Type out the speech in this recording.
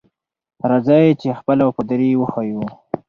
راځئ چې خپله وفاداري وښیو.